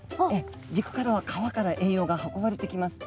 陸からは川から栄養が運ばれてきます。